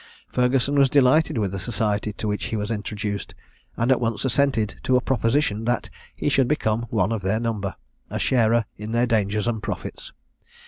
Ferguson was delighted with the society to which he was introduced, and at once assented to a proposition, that he should become one of their number a sharer in their dangers and profits.